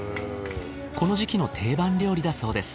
この時期の定番料理だそうです。